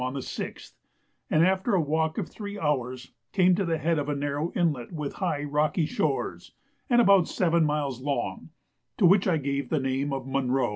on the 6th, and after a walk of three hours came to the head of a narrow inlet, with high rocky shores, and about seven miles long, to which I gave the name of Munro.